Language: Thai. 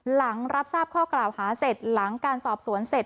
หลังรับทราบข้อกล่าวหาเสร็จหลังการสอบสวนเสร็จ